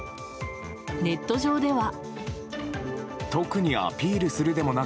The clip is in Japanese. ネット上では。